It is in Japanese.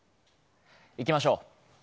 行きましょう。